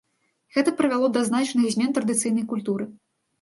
Гэта прывяло да значных змен традыцыйнай культуры.